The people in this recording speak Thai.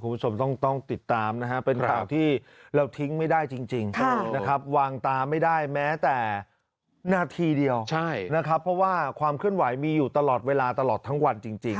คุณผู้ชมต้องติดตามนะครับเป็นข่าวที่เราทิ้งไม่ได้จริงนะครับวางตาไม่ได้แม้แต่นาทีเดียวใช่นะครับเพราะว่าความเคลื่อนไหวมีอยู่ตลอดเวลาตลอดทั้งวันจริง